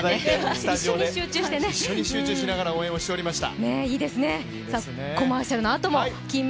スタジオで一緒に集中しながら応援をしておりました。